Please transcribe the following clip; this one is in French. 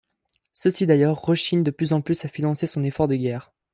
Ceux-ci, d'ailleurs, rechignent de plus en plus à financer son effort de guerre.